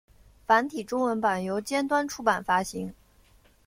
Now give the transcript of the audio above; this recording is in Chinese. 繁体中文版由尖端出版发行。